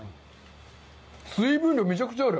水分量めちゃくちゃある。